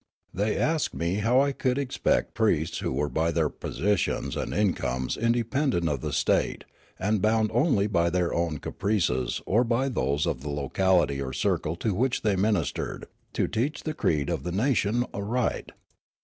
They asked me how I could expect priests who were by their positions and incomes independent of the state, and bound only by their own caprices or by those of the locality or circle to which they ministered, to teach the creed of the nation aright